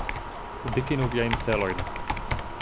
Difinu viajn celojn.